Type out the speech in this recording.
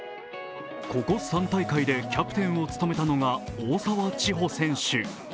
ここ３大会でキャプテンを務めたのが大澤ちほ選手。